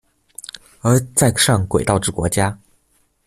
而在上軌道之國家